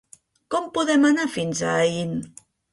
Com podem anar fins a Aín?